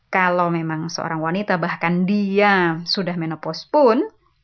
kalau memang seorang wanita bahkan dia sudah menopos pun